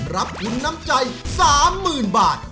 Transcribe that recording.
รับทุนน้ำใจ๓๐๐๐บาท